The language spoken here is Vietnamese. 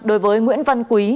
đối với nguyễn văn quý